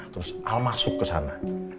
terus al masuk ke sana